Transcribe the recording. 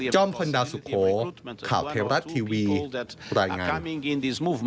พลดาวสุโขข่าวเทวรัฐทีวีรายงาน